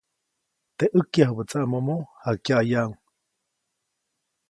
Teʼ ʼäjkyajubä tsaʼmomo, jakyaʼyaʼuŋ.